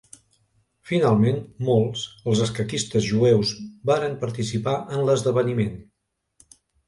Finalment, molts els escaquistes jueus varen participar en l'esdeveniment.